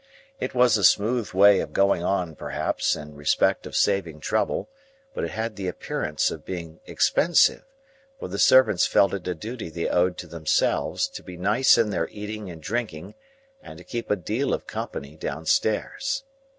It was a smooth way of going on, perhaps, in respect of saving trouble; but it had the appearance of being expensive, for the servants felt it a duty they owed to themselves to be nice in their eating and drinking, and to keep a deal of company downstairs.